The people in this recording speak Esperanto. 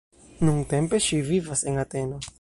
Nuntempe ŝi vivas en Ateno.